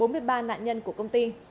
bốn mươi ba nạn nhân của công ty